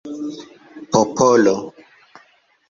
popolo